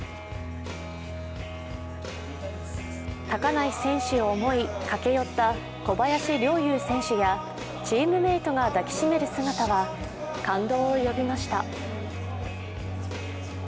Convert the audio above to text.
高梨選手を思い、駆け寄った小林陵侑選手やチームメートが抱きしめる姿は感動を呼びました。